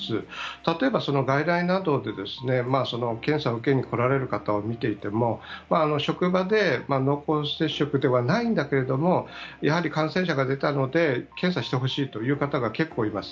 例えば、外来などで検査を受けに来られる方を見ていても職場で濃厚接触ではないんだけれどもやはり感染者が出たので検査してほしいという方が結構、います。